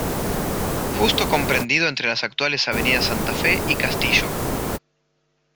Justo comprendido entre las actuales avenida Santa Fe y Castillo.